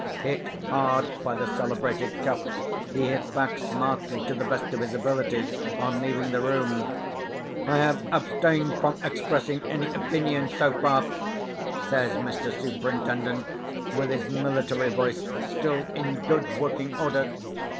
Hit hard by the celebrated Cuff, he hit back smartly, to the best of his ability, on leaving the room. "I have abstained from expressing any opinion, so far," says Mr. Superintendent, with his military voice still in good working order.